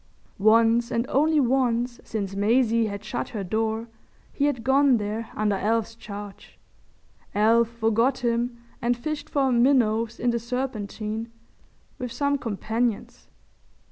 Once and only once since Maisie had shut her door he had gone there under Alf's charge. Alf forgot him and fished for minnows in the Serpentine with some companions.